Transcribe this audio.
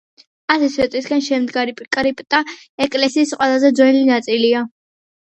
ასი სვეტისაგან შემდგარი კრიპტა ეკლესიის ყველაზე ძველი ნაწილია.